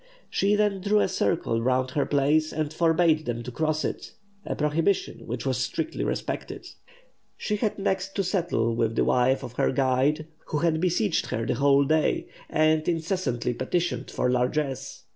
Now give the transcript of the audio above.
She then drew a circle round her place, and forbade them to cross it; a prohibition which was strictly respected. She had next to settle with the wife of her guide, who had besieged her the whole day, and incessantly petitioned for largesse.